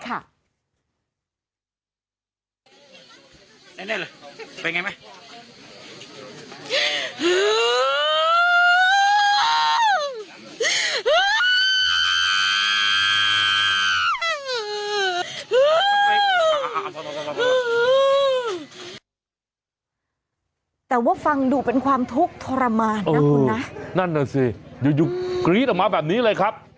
แต่ว่าฟังดูเป็นความทุกข์ทรมานนะคุณนะนั่นน่ะสิอยู่กรี๊ดออกมาแบบนี้เลยครับ